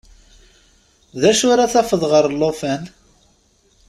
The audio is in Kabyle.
D acu ara tafeḍ ɣer lṭufan?